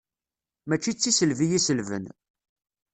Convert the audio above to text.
Mačči d tiselbi i selben.